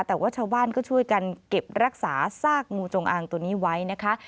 แต่ว่าชาวบ้านก็ช่วยกันเก็บรักษาซากงูจงอางตัวนี้ไว้นะคะ